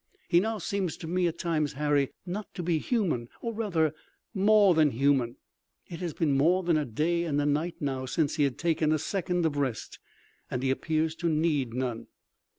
"He now seems to me at times, Harry, not to be human, or rather more than human. It has been more than a day and night now since he has taken a second of rest, and he appears to need none."